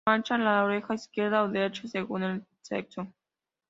Se marca la oreja izquierda o la derecha según el sexo.